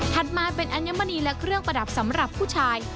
มาเป็นอัญมณีและเครื่องประดับสำหรับผู้ชาย